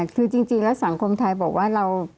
คือจริงแล้วสังคมไทยบอกว่าเรา